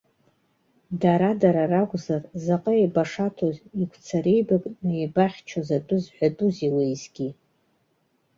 Дара-дара ракәзар, заҟа еибашаҭоз, игәцареибакны еибахьчоз атәы зҳәатәузеи уеизгьы!